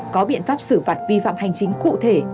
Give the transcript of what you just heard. có biện pháp xử phạt vi phạm hành chính cụ thể